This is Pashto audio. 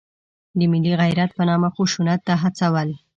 د ملي غیرت په نامه خشونت ته هڅول.